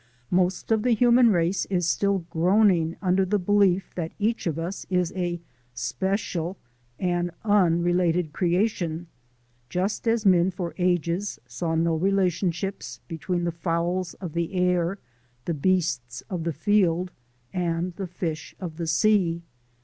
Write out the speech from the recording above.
Most of the human race is still groaning under the belief that each of us is a special and unrelated creation, just as men for ages saw no relationships between the fowls of the air, the beasts of the field, and the fish of the sea.